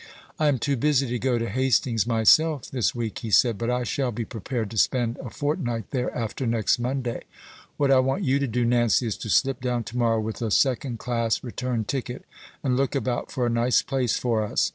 "I am too busy to go to Hastings myself this week," he said; "but I shall be prepared to spend a fortnight there after next Monday. What I want you to do, Nancy, is to slip down tomorrow, with a second class return ticket, and look about for a nice place for us.